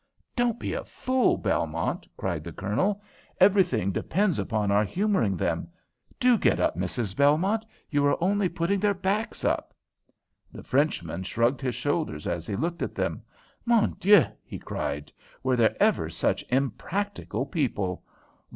"Don't be a fool, Belmont!" cried the Colonel; "everything depends upon our humouring them. Do get up, Mrs. Belmont! You are only putting their backs up!" The Frenchman shrugged his shoulders as he looked at them. "Mon Dieu!" he cried, "were there ever such impracticable people?